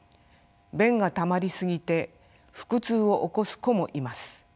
便がたまり過ぎて腹痛を起こす子もいます。